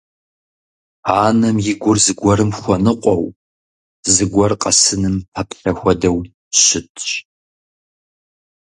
Анэм и гур зыгуэрым хуэныкъуэу, зыгуэр къэсыным пэплъэ хуэдэу щытщ.